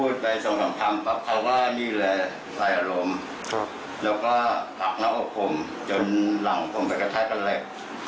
ใส่อารมณ์แล้วก็ผักหน้าอกผมจนหลังผมไปกระแทกกับเหล็ก